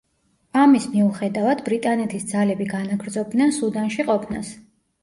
ამის მიუხედავად ბრიტანეთის ძალები განაგრძობდნენ სუდანში ყოფნას.